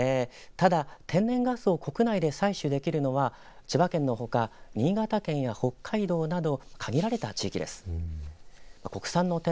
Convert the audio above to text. ただ天然ガスを国内で採取できるのは千葉県のほか新潟県や北海道などかぎられた地域です。